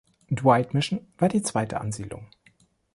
Dwight Mission war die zweite Ansiedlung.